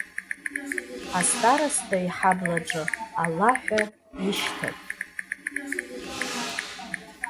Астароста иҳаблаҿы ала ҳәа ишьҭан.